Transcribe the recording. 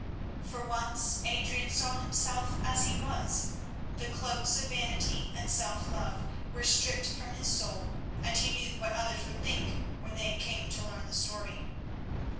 For once Adrian saw himself as he was; the cloaks of vanity and self love were stripped from his soul, and he knew what others would think when they came to learn the story.